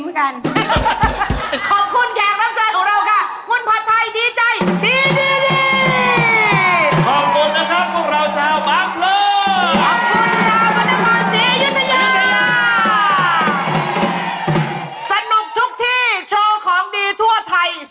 เอามาไปไปไป